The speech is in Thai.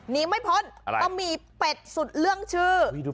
นี้มันหม่อนต้องมีเป็ดสุดเรื่องชื่อ